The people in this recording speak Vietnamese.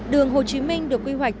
đường hồ chí minh được quy hoạch